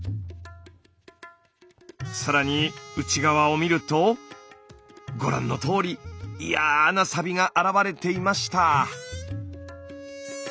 更に内側を見るとご覧のとおりいやなサビが現れていました。